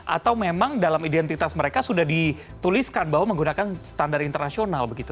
atau memang dalam identitas mereka sudah dituliskan bahwa menggunakan standar internasional begitu